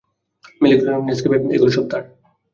Moulinex, Nescafe, এগুলো সব তার।